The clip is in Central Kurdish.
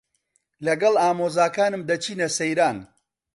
لەگەڵ ئامۆزاکانم دەچینە سەیران.